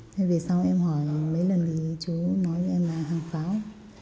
thế về sau em hỏi mấy lần thì chú nói với em là hàng pháo